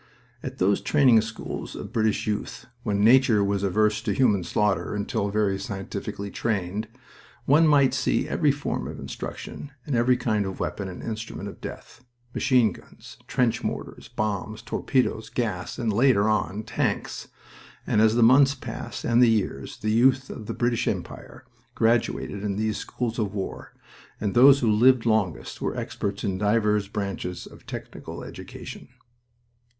At those training schools of British youth (when nature was averse to human slaughter until very scientifically trained) one might see every form of instruction in every kind of weapon and instrument of death machine guns, trench mortars, bombs, torpedoes, gas, and, later on, tanks; and as the months passed, and the years, the youth of the British Empire graduated in these schools of war, and those who lived longest were experts in divers branches of technical education.